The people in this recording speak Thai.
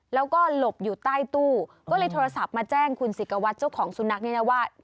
แล้วก็หลบอยู่ใต้ตู้ก็เลยโทรศัพท์มาแจ้งคุณศิกวัตรเจ้าของสุนัขนี่นะว่า